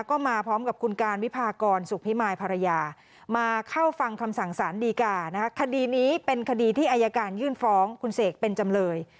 ก็มาพร้อมกับคุณการวิพากรสุขพิมายภรรยามาเข้าฟังคำสั่งสารดีกานะคะคดีนี้เป็นคดีที่อายการยื่นฟ้องคุณเสกเป็นจำเลย